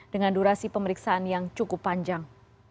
dengan durasi pemeriksaan yang cukup panjang